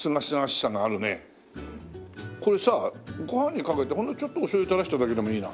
これさご飯にかけてほんのちょっとおしょうゆ垂らしただけでもいいな。